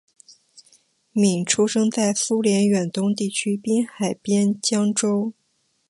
闵出生在苏联远东地区的滨海边疆州。